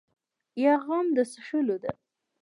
یا غم د څښلو ده.